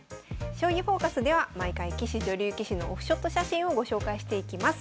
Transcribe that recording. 「将棋フォーカス」では毎回棋士・女流棋士のオフショット写真をご紹介していきます。